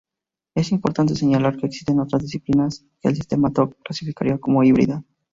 Es importante señalar que existen otras disciplinas que el sistema ToK clasificaría como "híbridas".